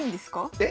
えっ？